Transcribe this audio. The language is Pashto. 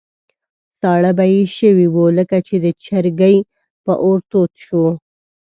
ساړه به یې شوي وو، لکه چې د چرګۍ په اور تود شو.